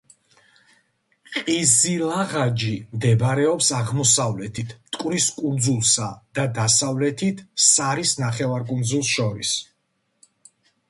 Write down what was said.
ყიზილაღაჯი მდებარეობს აღმოსავლეთით, მტკვრის კუნძულსა და დასავლეთით, სარის ნახევარკუნძულს შორის.